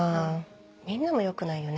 みんなもよくないよね。